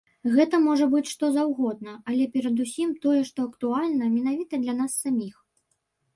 Гэта можа быць што заўгодна, але перадусім, тое, што актуальна менавіта для нас саміх.